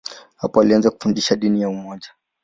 Hapo alianza kufundisha dini ya umoja.